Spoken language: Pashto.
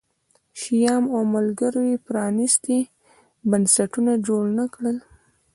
شیام او ملګرو یې پرانیستي بنسټونه جوړ نه کړل